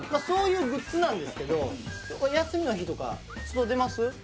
そういうグッズなんですけど休みの日とか外出ます？